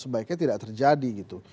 sebaiknya tidak terjadi gitu